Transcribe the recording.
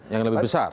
yang lebih besar